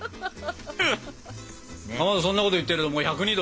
かまどそんなこと言ってるともう１０２℃だよ。